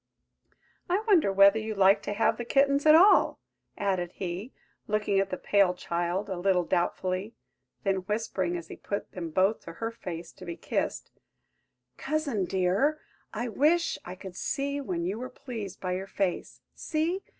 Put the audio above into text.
I wonder whether you like to have the kittens at all?" added he, looking at the pale child a little doubtfully; then whispering, as he put them both to her face to be kissed, "Cousin, dear, I wish I could see when you were pleased by your face! See!